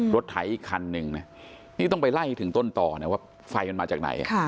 ไถอีกคันหนึ่งนะนี่ต้องไปไล่ถึงต้นต่อนะว่าไฟมันมาจากไหน